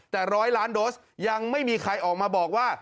แต่๑๐๐ล้านโดสยังไม่มีใครออกมาบอกว่า